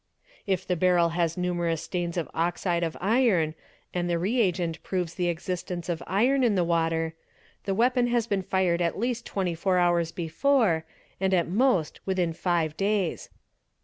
If the barrel has numerous stains of oxide of iron and the reagent proves the existence of iron in the water, the weapon has been fired at least 24 hours before and at most within 5 days.